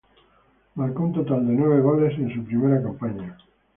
Marcó un total de nueve goles en su primera campaña.